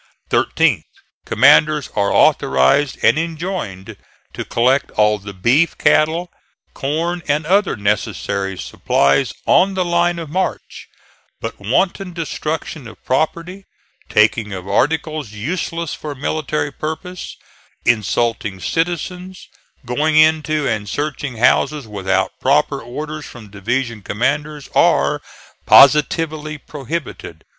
Thirteenth. Commanders are authorized and enjoined to collect all the beef cattle, corn and other necessary supplies on the line of march; but wanton destruction of property, taking of articles useless for military purposes, insulting citizens, going into and searching houses without proper orders from division commanders, are positively prohibited.